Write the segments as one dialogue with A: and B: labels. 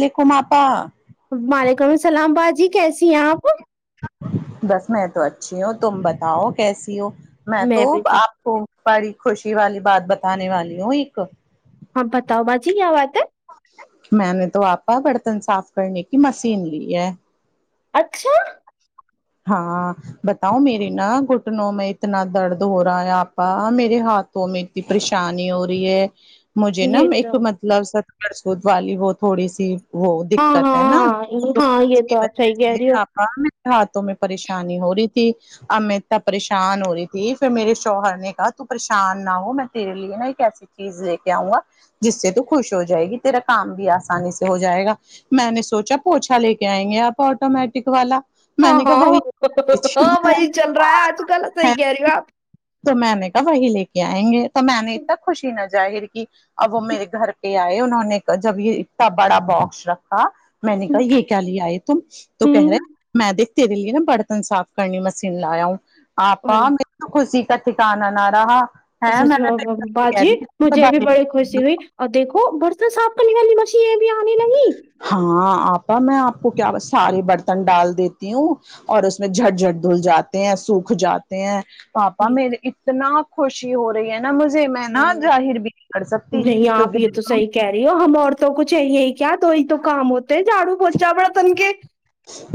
A: لیکم آپا
B: وعلیکم السلام باجی کیسی ہے آپ
A: بس میں تو اچھی ہوں تم بتاؤ کیسی ہو میں تو
B: بھی کہ
A: آپ کو بڑی خوشی والی بات بتانے والی ہوں ایک دو
B: ہاں بتاؤ باجی کیا بات ہے
A: میں نے تو آپا برتن صاف کرنے کی مشین لی ہے
B: اچھا
A: ہاں بتاؤ میری نا گٹنوں میں اتنا درد ہو رہا ہے آپا میرے ہاتھ تو میں کی پریشانی ہو رہی ہے مجھے نا
B: یہ
A: ایک
B: تو
A: مطلب صد سود والی وہ تھوڑی سی وہ
B: ہاں
A: دقت ہے نا
B: ہاں
A: تو
B: ہاں
A: اس
B: یہ
A: کی
B: تو آپ صحیح
A: وجہ
B: کہہ رہی ہو
A: سے آپا مے تھک تو میں پریشانی ہو رہی تھی اب میں اتنا پریشان ہو رہی تھی پھر میرے شوہر نے کہا تو پریشان نہ ہو میں تیرے لیے نا ایک ایسی چیز لے کے اؤں گا جس سے تو خوش ہو جائے گی تیرا کام بھی اسانی سے ہو جائے گا میں نے سوچا پوچھا لے کے ائیں گے آپ اٹومیٹک والا میں
B: ہاں
A: نے
B: ہاں
A: کہا وہی
B: وہ تو وہ
A: چیزیں
B: تو چل رہا ہے
A: اور
B: آج کل صہی کہہ رہی ہو آپ
A: تو میں نے کہا وہی لے کے ائیں گے تو میں نے اتنا خوشی نہ ظاہر کی اب وہ میرے گھر پہ ائے انہوں نے جب یہ اتنا بڑا باکس رکھا میں نے کہا یہ کیا لے ائے تم تو کہہ رہے
B: ہوں
A: میں دیک تیرے لیے نا برتن صاف کرنی مشین لایا ہوں آپا
B: اور
A: خوشی کا ٹکانا نہ رہا ہے
B: سچ باجی مجھے بھی بڑی خوشی
A: میں
B: ہوئی اور دیکھو برتن صاف کرنے والی مشین
A: ہاں آپا میں اپ کو کیا سارے برتن ڈال دیتی ہوں اور اس میں جھٹ جھٹ دھل جاتے ہیں سوکھ جاتے آپا مے اتنا خوش جی ہو رہی ہے نا مجھے میں نہ ظاہر بھی نہیں کر سکتی
B: نہیں آپ
A: کیوکہ
B: یہ تو صحیح کہہ ہم عورتوں کو چاہیے کیا تو ہی تو کام ہوتے ہیں جھاڑو پوچا بڑتن کے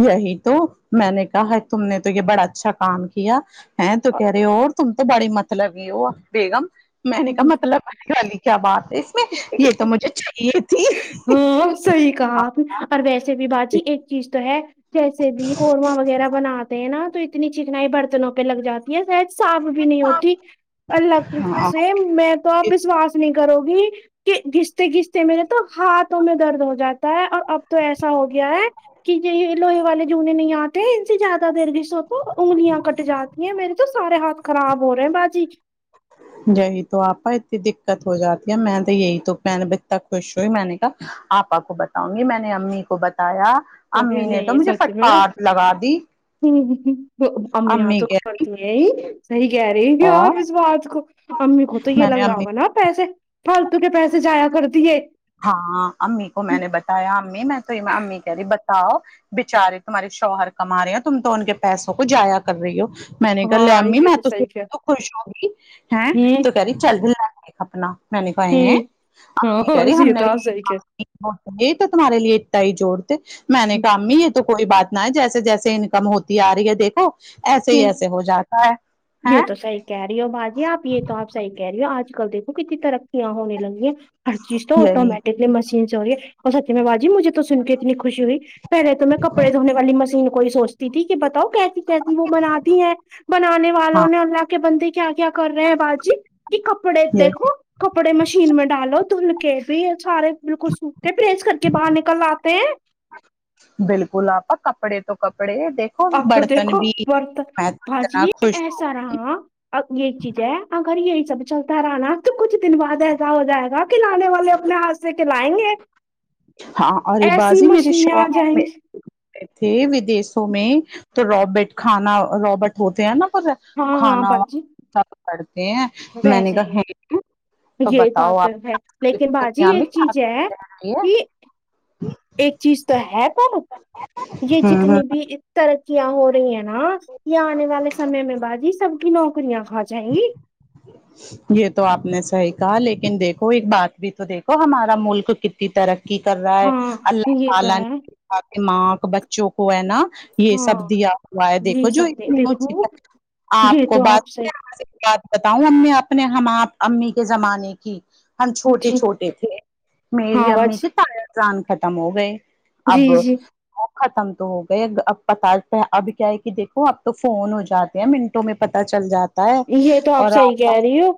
A: یہی تو میں نے کہا ہے تم نے تو یہ بڑا اچھا کام کیا ہے تو کہہ رہی ہو اور تم تو بڑی مطلبی ہو بیگم میں نے کہا مطلب گی کیا بات ہے اس میں یہ تو مجھے چاہیے
B: ہو صحیح کہا پھر ویسے بھی باجی ایک چیز تو ہے جیسے بھی قورمہ وغیرہ بناتے ہیں نا تو اتنی چکنائی برتنوں پہ لگ جاتی یہ سید صاف بھی نہیں
A: تھی
B: ہوتی اللہ کے حکم
A: ہاں
B: سے میں تو آپ وشواس نہیں کرو گی کہ گستے گستے میرے تو ہاتھوں میں درد ہو جاتا ہے اور اب تو ایسا ہو گیا ہے کہ یہ لوہے والے جونے نہیں آتے ہیں ان سے زیادہ دیر گسو تو انگلیاں کٹ جاتی ہیں میرے تو سارے ہاتھ خراب ہو رہے ہے باجی
A: یہی تو اپا اتنی دقت ہو جاتی ہے میں تو یہی تو میں اتنا خوش ہوئی میں نے کہا آپا کو بتاؤں گی میں نے امی کو بتایا
B: کوئی
A: امی نے تو
B: نہیں
A: مجھے
B: سچ میں
A: فٹکار لگا دی
B: امی آ تو کارتی ہوں یہ صحیح کہہ رہی
A: اور
B: آپ اس بات کو امی کو تو یہ
A: میں نے
B: لگ رہا
A: امی
B: ہوگا نا پیسے فالتو کے پیسے جایا کر تی ہے
A: ہاں امی کو میں نے بتایا امی میں تو امی کہہ رہی بتاؤ بچارے تمہارے شوہر کما رہے ہو تم تو ان کے پیسوں کو جایا کر رہی ہو میں نے ککہا لے
B: ہاں
A: امی
B: یہ
A: میں تو
B: صحیح ہے
A: تو خوش ہوگی ہے
B: ہوں
A: تو کہہ رہی چل اپنا میں نے کہا ہیں
B: ہوں
A: امی کہہ
B: ہاں
A: رہے ہم
B: یہ
A: نے
B: تو
A: بھی
B: آپ صحیح
A: یہ تو تمہارے لیے اتنا ہی جوڑ تھے میں نے کھا
B: کہ
A: امی یہ تو کوئی بات نہ ہے جیسے جیسے انکم ہوتی ارہی ہے دیکھو ایسے ہی ایسے ہو جاتا ہے
B: یہ
A: ہیں
B: تو صحیح کہہ رہی ہو باجی آپ یہ تو آپ صحی کہہ رہی ہو آج کل دیکھو کتنی ترقیاں ہونے لگی ہیں ہر چیز تو
A: یہی
B: آٹومیٹکلی مشین سے ہوی ہے اور سیہ میں باجی مجھے تو سن کے اتنی خوشی ہوئی پہلے تو میں کپڑے دھونے والی مشین کو ہی سوچتی تھی کہ بتاؤ کیسی کیسی وہ بناتی ہیں بنانے
A: ہاں
B: والوں نے اللہ کے بندے کیا کیا کر رہے ہیں باجی کہ کپڑے
A: یہ
B: دیکھو کپڑے مشین میں ڈالو دھل کے بھی سارے بال کو سوکھتے پریس کر کے باہر نکل لاتے ہیں
A: بالکل آپا کپڑے تو کپڑے دیکھ
B: اب تو دیکھو برتن باجی
A: اتنا
B: یہ
A: خوش ہوں
B: ایسا رہا اب یہ چیز ہے اگر یہی سب چلتا رہنا تو کچھ دن بعد ایسا ہو جائے گا کھلانے والے اپنے ہاتھ سے کھلائیں گے
A: ہاں ارے
B: ایسی
A: بازی میرے
B: مشینینیں آ
A: شوہر
B: جائیں
A: میں
B: گی
A: تھے ودیشوں میں تو روبٹ کھانا روابٹ ہوتے ہیں نا پر
B: ہاں ہاں
A: کھانا وا
B: باجی
A: سب کرتے ہیں میں نے کہا
B: [unintelligible]
A: ہے تو
B: یہ بات
A: بتاؤ
B: تو
A: آپ
B: ہے لیکن باجی
A: دنیا میں
B: ایک چیز ہے
A: کیا ہے
B: کہ ایک چیز تو ہے پر یہ
A: ہ ہ
B: جتنی بھی ترکیاں ہو رہی ہیں نا یہ آنے والے سمے میں باجی سب کی نوکریاں کھا جائےیں گی
A: یہ تو آپ نے صحیح کہا لیکن دیکھو ایک بات بھی تو دیکھو ہمارا ملک کتنی ترقی کی کر رہا ہے
B: ہاں
A: اللہ
B: یہ تو
A: تعالی
B: ہے
A: نےا ماں کو بچوں کو ہے نا یہ
B: ہاں
A: سب دیا ہوا ہے دیکھو
B: یہ
A: جو
B: سب
A: اتنی
B: دیکھو یہ
A: آپ کو
B: تو
A: بات
B: صحیح
A: ہوں امی اپنے ہم آپ امی کے زمانے کی ہم چھوٹے
B: جی
A: چھوٹے تھے
B: ہاں
A: میری
B: آواز
A: امی کے تا یا جان ختم ہو گئے
B: جی
A: اب
B: جی
A: ختم تو ہو گئے اب پتا اب کیا ہے کہ دیکھو اب تو فون ہو جاتا منٹوں میں پت چل جاتا ہے
B: یہ تو
A: اور
B: صحیح
A: آپ کا
B: کہہ رہی ہو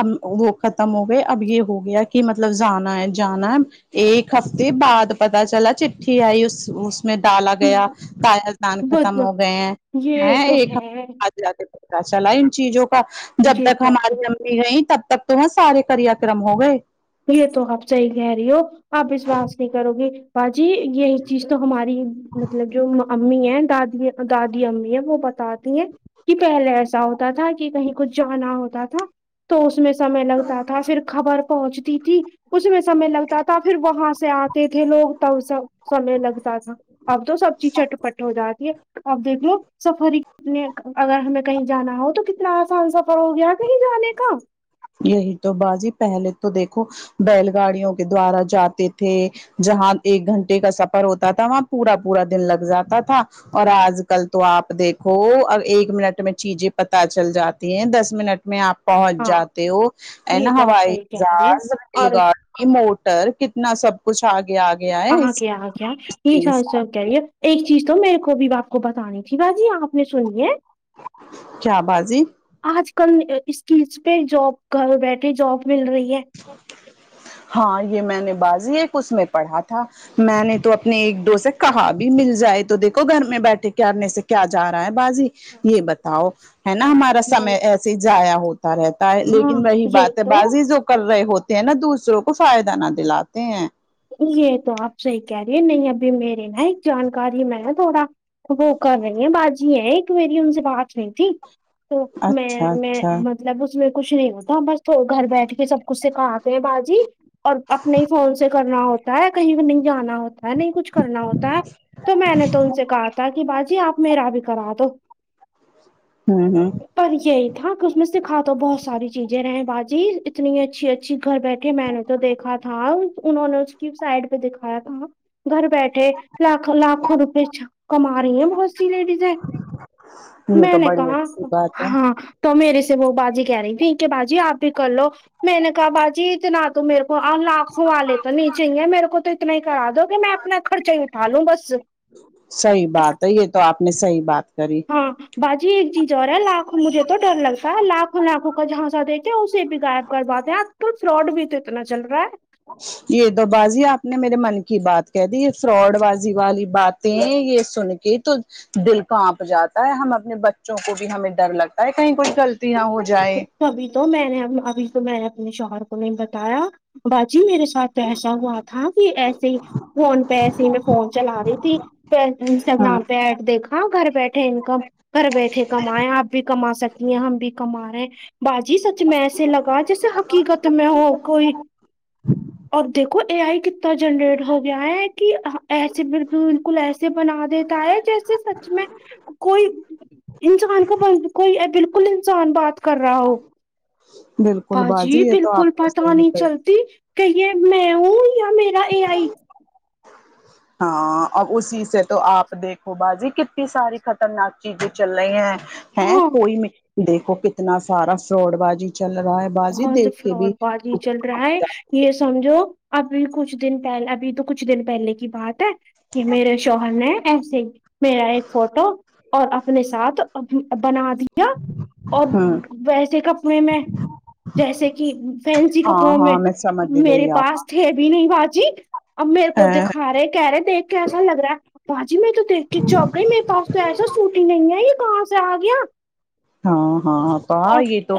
A: اب وہ ختم ہو گئے اب یہ ہو گیا کہ مطلب جانا ہے جانا ہے ایک ہفتے بعد پتا چلا چٹھی آئی اس اس میں ڈالا گیا تیاہ دان
B: بت
A: ختم ہو گئے
B: یہ
A: ہیں
B: تو
A: ایک
B: ہے
A: ہفتے پتا چلا ان چیزوں کا جب
B: یہ
A: تک
B: تو آپ
A: ہمارے ہے نہیں تب تک تو ہے سار کریا کررم ہو گئے
B: یہ تو آپ صحیح کہہ رہی ہو آپ وسشواس نہیں کرو گی باجی یہی چیز تو ہماری مطلب جو امی ہیں دادی دادی امی ہے وہ بتاتی ہیں کہ پہلے ایسا ہوتا تھا کہ کہیں کچھ جانا ہوتا تھا تو اس میں سے سمے لگتا تھا پھر خبر پہنچتی تھی اس میں سمے لگتا تھا پھر وہاں سے آتے تھے لوگ تب سب سمے لگتا تھا اب تو سب چیز چٹپٹ ہو جاتی ہے اب دیکھ لو سفر نے اگر ہمیں کہیں جانا ہو تو کتنا آسان سفر ہو گیا کہیں جانے کا
A: یہی تو باجی پہلے تو دیکھو بیل گاڑیوں کے دوارا جاتے تھے جہاں ایک گھنٹے کا سفر ہوتا تھا وہاں پورا پورا دن لگ جاتا تھا اور آج کل تو آپ دیکھو ایک منٹ میں چیزیں پتا چل جاتی ہیں دس منٹ میں آپ پہنچ
B: ہاں
A: جاتے ہو ہے
B: یہ
A: نا
B: تو آپ
A: ہوائی
B: صحیح کہہ رہی ہو
A: جاز
B: اور
A: یہ موٹر کتنا سب کچھ آ گیا آگے
B: [unintelligible] ایک چیز تو میرے کو بھی آپ کو بتانی تھی باجی آپ نے سنی ہے
A: کیا بازی
B: آج کل اسکز پہ جاب گھر بیٹھے جاب مل رہی ہے
A: ہاں یہ میں نے بازی ایک اس میں پڑھا تھا میں نے تو اپنے ایک دو سے کہا بھی مل جائے تو دیکھو گھر میں بیٹھے کرنے سے کیا جا رہا ہے بازی یہ بتاؤ ہے نا
B: ہاں
A: ہمارا
B: میں
A: سمے
B: نے
A: ایسے ہی ضائع ہوتا رہتا ہے
B: ہاں
A: لیکن وہی
B: یہ
A: بات ہے
B: تو
A: باجی جو کر رہے ہوتے ہیں نا دوسروں کو فائدہ نہ دلاتے ہیں
B: یہ تو آپ صحیح کہہ رہی ہیں نہیں ابھی میرے نا ایک جانکاری میں نا تھوڑا وہ کر رہی ہیں باجی ہیں ایک میری ان سے بات نہیں تھی تو میں
A: اچھا
B: میں
A: اچھا
B: مطلب اس میں کچھ نہیں ہوتا بس گھر بیٹھ کے سب کچھ سکھاتے ہیں باجی اور اپنے ہی فون سے کرنا ہوتا ہے کہیں بھی نہیں جانا ہوتا ہوتا ہے نہیں کچھ کرنا ہوتا ہے تو میں نے تو ان سے کہا تھا کہ باجی آپ میرا بھی کرا دو
A: ہوں ہوں
B: پر یہی تھا کہ اس میں سکھا تو بہت ساری چیزیں رہیں باجی اتنی اچھی اچھی گھر بیٹھے میں نے تو دیھکا تھا انہوں نے اس کی سائڈ پہ دکھایا تھا گھر بیٹھے ھے لاکھوں لاکھوں روپئے چھا کما رہی ہیں بہت سی لیڈیزیں
A: یہ
B: میں
A: تو
B: نے
A: بڑی
B: کہا
A: اچھی بات ہے
B: ہاں تو میرے سے وہ باجی کہہ رہی تھیں کہ باجی آپ بھی کر لو میں نے کہا باجی اتنا تو میرے کو آں لاکھ کھوں والے تو نہیں چاہیے میرے کو تو اتنا ہی کرا دو کہ میں اپنا خرچہ ہی اٹھا لوں بس
A: صحیح بات ہے یہ تو آپ نے صحیح بات کری
B: ہاں باجی ایک چیز اور ہے لاکھوں مجھے تو ڈر لگتا ہے لاکھوں لاکھوں کا جھانسا دے کے اسے بگاڑ کروا دیں آج کل فراڈ بھی تو اتنا چل رہا ہے
A: یہ تو باجی آپ نے میرے من کی بات کہہ دی یہ فراڈ بازی والی بات یہ یہ سن کے تو دل کانپ جاتا ہے ہم اپنے بچوں کو بھی ہمیں ڈر لگتا ہے کہیں کوئی غلطی نہ ہو جائے
B: تبھی تو میں نے ابھی تو میں نے اپنے شوہر کو نہیں بتایا باجی میرے ساتھ ایسا ہوا تھا کہ ایسے ہی فون پہ ایسے ہی میں فون چلا رہی تھی پہ
A: ہاں
B: انسٹاگرام پہ ایڈ دیکھ ہاں گھر بیٹھے انکم گھر بیٹھے کمائے آپ بھی کما سکتی ہیں ہم بھی کما رہے ہیں باجی سچ میں ایسے لگا جیسے حقیقت میں ہو کوئی اور دیکھو اے آئی کتنا جنریٹ ہو گیا ہے کی آہں ایسے بالکل بالکل ایسے بنا دیتا ہے جیسے سچ میں کوئی انسان کو [unintelligible] کوئی اے بالکل ہی انسان بات کر رہا ہو
A: بالکل
B: باجی
A: یہ تو
B: بالکل
A: آپ نے
B: پتہ
A: صحیح
B: نہیں
A: کہی
B: چلتی کہیں یہ میں ہوں یا میرا اے آئی
A: ہاں اور اسی سے تو آپ دیکھو باجی کتنی ساری خطرناک چیزیں چل رہی ہیں ہیں
B: ہاں
A: کوئی میں دیکھو کتنا سارا فراڈ بازی چل رہا ہے بازی
B: بہت
A: دیکھ کے بھی
B: فراڈ بازی چل رہا ہے یہ سمجھو ابھی کچھ دن پہلے ابھی تو کچھ دن پہلے کی بات ہے کہ میرے شوہر نے ایسے ہی میرا ایک فوٹو اور اپنے ساتھ بنا دیا اور
A: ہاں
B: ویسے کپڑے میں جیسے کہ فینسی
A: ہاں
B: کپڑوں میں
A: ہاں سمجھ
B: میرے
A: گئی
B: پاس
A: آپ
B: تھے بھی نہیں باجی اور میرے کو
A: ہ
B: دکھا رہے کہہ رہے ہیں دیکھ کیسا لگ رہا باجی میں تو دیکھ کے چونک گئی میرے پاس تو ایسا سوٹ ہی نہیں ہے یہ کہاں سے آ گیا
A: ہاں ہاں آپا
B: اور
A: یہ تو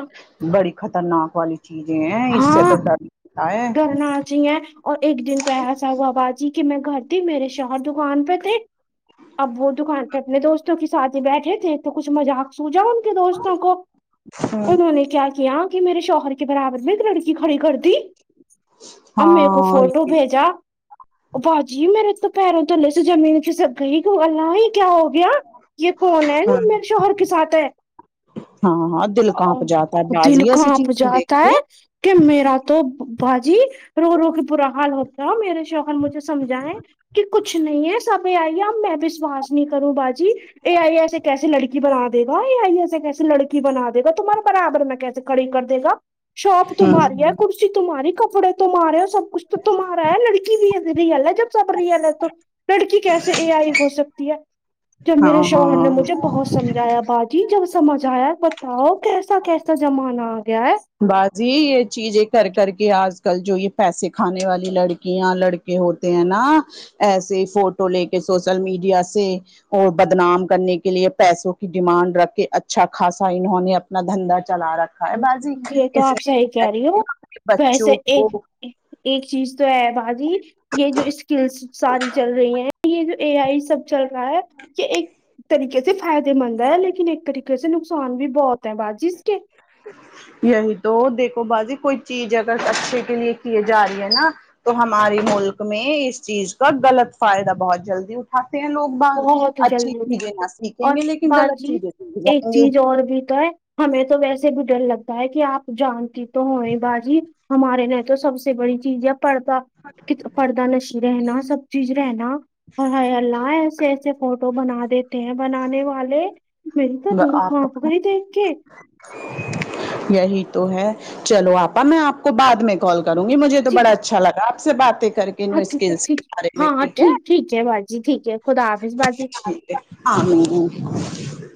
A: بڑی خطرناک والی چیزیں ہے اس سے تو
B: ہاں
A: ڈر لگتا ہے
B: ڈرنا چاہئے اور ایک دن تو ایسا ہوا باجی کہ میں گھر تھی میرے شوہر دکان پہ تھے اب وہ دکان پہ اپنے دوستوں کے ساتھ ہی بیٹھے تھے تو کچھ مذاق سوجا ان کے دوستوں کو انہوں نے کیا کیا کہ میرے شوہر کے برابر میں ایک لڑکی کھڑی کردی اور میرے کو
A: ہاں
B: فوٹو بھیجا باجی میرے تو پیروں تو لے سے زمین گیھس گئی اللہ ہی یہ کیا ہوگیا یہ کون ہے نا میرے شوہر کے ساتھ ہے
A: ہاں ہاں دل
B: آں
A: کانپ جاتا ہے
B: دل
A: بازی ایسی
B: کانپ
A: چیزیں دیکھ
B: جاتا
A: کے
B: ہے کہ میرا تو باجی رو رو کے برا حال ہوتا ہے میرے شوہر مجھے سمجھائے کہ کچھ نہیں ہے سب یہ آئیے میں ویشواس نہیں کروں باجی یہ اے ائی ایسے کیسی لڑکی بنا دے گا یا ایسے کیسے لڑکی بنا دے گا تمہارے برابر میں کیسے کھڑی کردے گا شاپ تمھاری ہے
A: ہاں
B: کرسی تمھاری کپڑے تمہارے ہے ہو سب کچھ تو تمہارا ہے لڑکی بھی ہے رئیل ہے جب سب رئیل ہے تو لڑکی کیسے اے ائی ہو سکتی ہے جب میرے
A: ہاں
B: شوہر نے
A: ہاں
B: مجھے بہت سمجھایا بات جی جب سمجھ آیا بتاؤ کیسا کیسا زمانہ آ گیا ہے
A: باجی یہ چیزیں کر کر کے آج کل جو یہ پیسے کھانے والی لڑکیاں لڑکے ہوتے ہیں نا ایسے فوٹو لے کے سوشل میڈیا سے اور بدنام کرنے کے لیے پیسوں کی ڈیمانڈ رکھ کے اچھا خاصا انہوں نے اپنا دھندا چلا رکھا ہا ئے باجی
B: یہ تو آپ صحیح کہہ رہی ہو ویسے
A: بچوں کو
B: ایک ایک چیز تو ہے باجی یہ جو سکلز ساری چل رہی ہے یہ جو اے آئی سب چل رہا ہے یہ ایک طریقت یہ فائدے مند ہے لیکن ایک طریقے سے نقصان بھی بہت ہے با جی اس کے
A: یہی تو دیکھو باجی کوئی چیز اگر اچھے کے لیے کیے جا رہی ہے نا تو ہمارے ملک میں اس چیز کا غلط فائدہ بہت جلدی اٹھاتے ہیں لوگ باہر
B: بہت
A: اچھی
B: جلدی
A: چیزیں
B: اٹھاتا
A: نہ
B: ہے
A: سیکھیں
B: اور
A: گے لیکن غلط
B: باجی
A: چیزیں سیکھ
B: ایک
A: جائیں گے
B: چیز اور بھی تو ہے ہمیں تو ویسے بھی ڈر لگتا ہے کہ آپ جانتی تو ہوئے باجی ہمارے یہاں تو سب سے بڑی چیز ہے پردہ پردہ نش رہنا سب چیز رہنا اے ہائیے اللہ کیسے فوٹو بنا دیتے ہیں بنانے والے میری تو روح کانپ
A: آپا
B: رہی دیکھ کہ
A: یہی تو ہے چلو آپا میں آپ کو بعد میں کال کرونگی مجھے تو
B: جی
A: بڑا اچھا لگا آپ سے باتیں کر کے
B: ہاں
A: لکین
B: ٹھیک ہے
A: سکلز
B: ٹھیک
A: کے بارے میں
B: ہاں
A: ٹھیک ہے
B: ٹھیک ہے باجی ٹھیک ہے خدا حافظ باجی
A: [unintelligible]